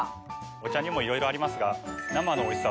お茶にもいろいろありますが。